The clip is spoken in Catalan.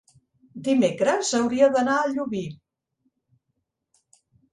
Dimecres hauria d'anar a Llubí.